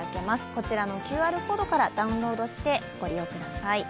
こちらのＱＲコードからダウンロードしてご利用ください。